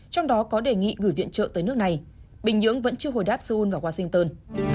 trong đó có đề nghị gửi viện trợ tới nước này bình nhưỡng vẫn chưa hồi đáp seoul và washington